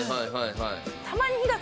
はい。